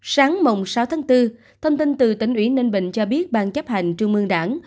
sáng mồng sáu tháng bốn thông tin từ tỉnh ủy ninh bình cho biết ban chấp hành trung mương đảng